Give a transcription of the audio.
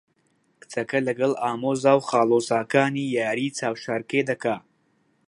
کچەکە لەگەڵ ئامۆزا و خاڵۆزاکانی یاریی چاوشارکێ دەکا.